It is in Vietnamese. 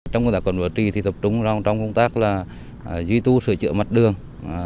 trong công tác quản lý thì tập trung trong công tác là duy tu sửa chữa mặt đường